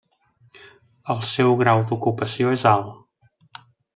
El seu grau d’ocupació és alt.